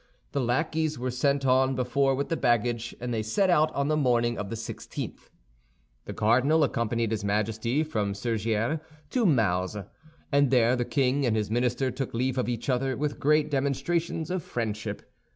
The lackeys were sent on before with the baggage, and they set out on the morning of the sixteenth. The cardinal accompanied his Majesty from Surgères to Mauzes; and there the king and his minister took leave of each other with great demonstrations of friendship.